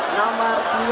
namar dua ahok